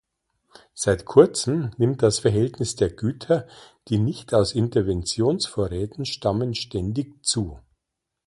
Seit kurzem nimmt das Verhältnis der Güter, die nicht aus Interventionsvorräten stammen, ständig zu.